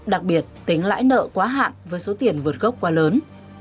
đặc biệt tính lãi nợ quá hạn với số tiền vượt gốc quá lớn